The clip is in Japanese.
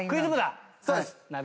そうです。